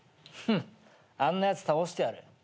フッあんなやつ倒してやる。